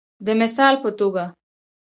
د مثال په توګه